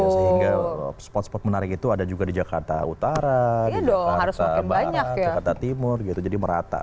sehingga spot spot menarik itu ada juga di jakarta utara di jakarta barat jakarta timur jadi merata